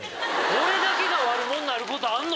俺だけが悪者になることあんの？